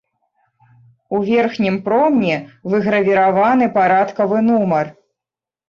У верхнім промні выгравіраваны парадкавы нумар.